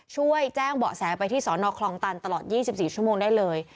ช่วยแจ้งเบาะแสไปที่สนคลองตันตลอด๒๔ชั่วโมงได้เลย